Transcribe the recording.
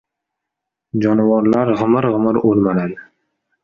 Jonivorlar g‘imir-g‘imir o‘rmaladi.